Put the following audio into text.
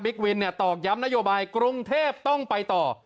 วินตอกย้ำนโยบายกรุงเทพต้องไปต่อ